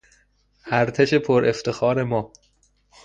ارتش پر افتخار ما